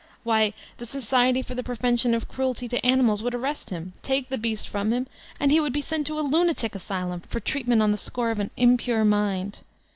Why, the '^Society for the Pre vention of Cruelty to Animals'' would arrest him, take the beast from him, and he would be sent to a lunatic asylum for treatment on the score of an impure mind.